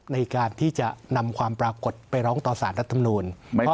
ในการที่จะนำความปรากฏไปร้องต่อสารรัฐมนูล